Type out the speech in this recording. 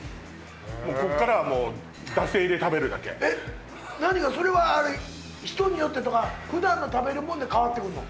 こっからはもう惰性で食べるだけえっ何がそれは人によってとか普段の食べるもんで変わってくんの？